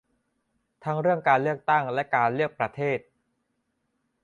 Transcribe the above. ทั้งเรื่องการเลือกตั้งและการเลือกประเทศ